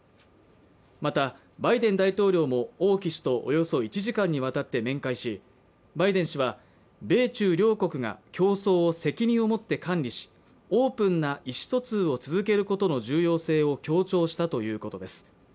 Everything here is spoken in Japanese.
またバイデン大統領も王毅氏とおよそ１時間にわたって面会しバイデン氏は米中両国が競争を責任をもって管理しオープンな意思疎通を続けることの重要性を強調したということです